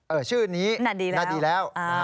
เออชื่อนี้นาดีแล้ว